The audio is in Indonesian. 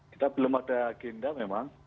kita belum ada agenda memang